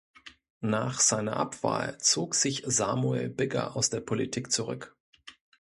Nach seiner Abwahl zog sich Samuel Bigger aus der Politik zurück.